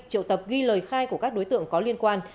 triệu tập ghi lời khai của các đối tượng có liên quan